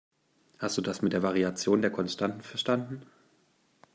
Hast du das mit der Variation der Konstanten verstanden?